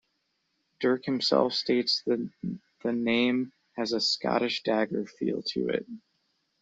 Dirk himself states that the name has a "Scottish dagger feel" to it.